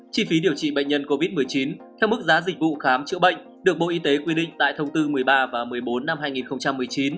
chi phí điều trị bệnh nhân covid một mươi chín theo mức giá dịch vụ khám chữa bệnh được bộ y tế quy định tại thông tư một mươi ba và một mươi bốn năm hai nghìn một mươi chín